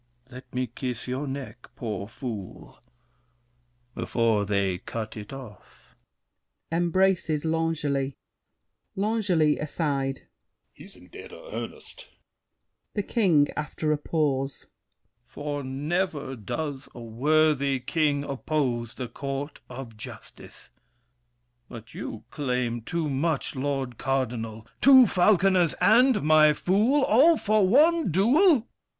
Let me kiss your neck, poor fool, Before they cut it off. [Embraces L'Angely. L'ANGELY (aside). He's in dead earnest! THE KING (after a pause). For never does a worthy king oppose The course of justice. But you claim too much, Lord Cardinal—two falconers and my fool! All for one duel!